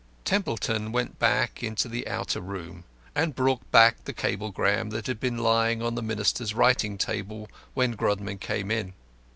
Templeton went back into the outer room and brought back the cablegram that had been lying on the Minister's writing table when Grodman came in.